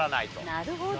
なるほど。